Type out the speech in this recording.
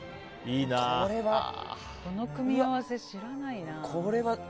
この組み合わせ、知らないな。